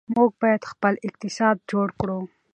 موږ باید خپل اقتصاد جوړ کړو.